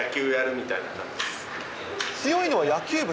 み強いのは野球部？